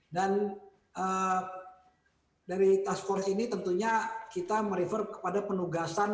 dan dari task force ini tentunya kita merefer kepada penugasan